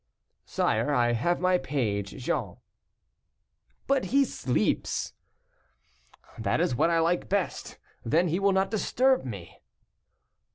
"Sire, I have my page, Jean." "But he sleeps." "That is what I like best, then he will not disturb me."